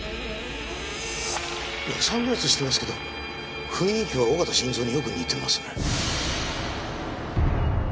サングラスしてますけど雰囲気は小形伸造によく似てますね。